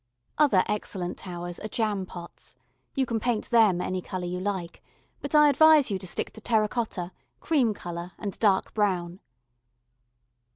Other excellent towers are jam pots: you can paint them any colour you like, but I advise you to stick to terra cotta, cream colour, and dark brown.